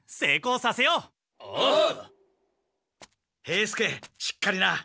兵助しっかりな。